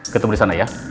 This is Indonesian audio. ketemu disana ya